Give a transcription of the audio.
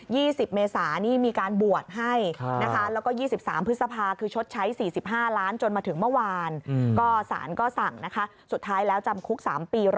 มีภาพนี้มีหุ่นแชร์กันเป็นความประทับใจ